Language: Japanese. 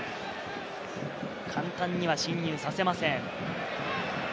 簡単には侵入させません。